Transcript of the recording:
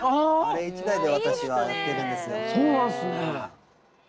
そうなんすね！